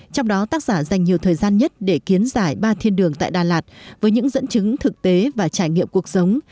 trong đó tác giả dành nhiều thời gian nhất để kiến giải ba thiên đường tại đà lạt với những dẫn chứng thực tế và trải nghiệm cuộc sống